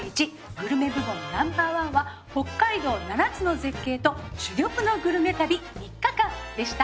グルメ部門ナンバー１は北海道７つの絶景と珠玉のグルメ旅３日間でした。